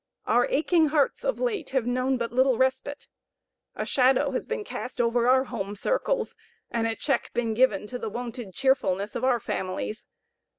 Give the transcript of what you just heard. Our aching hearts of late, have known but little respite. A shadow has been cast over our home circles, and a check been given to the wonted cheerfulness of our families.